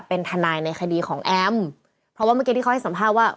เป็นทนายในคดีของแอมเพราะว่าเมื่อกี้ที่เขาให้สัมภาษณ์ว่า